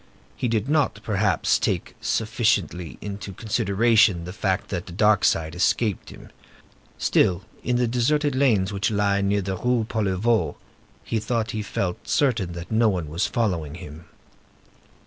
He did not, perhaps, take sufficiently into consideration the fact that the dark side escaped him. Still, in the deserted lanes which lie near the Rue Poliveau, he thought he felt certain that no one was following him.